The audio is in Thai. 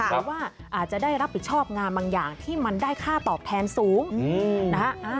แต่ว่าอาจจะได้รับผิดชอบงานบางอย่างที่มันได้ค่าตอบแทนสูงนะฮะ